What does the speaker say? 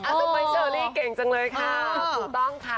ทำไมเชอรี่เก่งจังเลยค่ะถูกต้องค่ะ